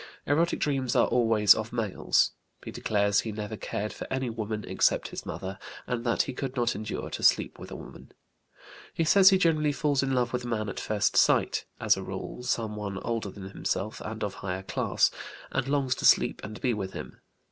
Erotic dreams are always of males. He declares he never cared for any woman except his mother, and that he could not endure to sleep with a woman. He says he generally falls in love with a man at first sight as a rule, some one older than himself and of higher class and longs to sleep and be with him.